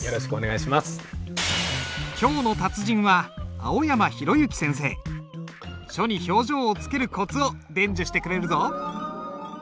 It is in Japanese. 今日の達人は書に表情をつけるコツを伝授してくれるぞ。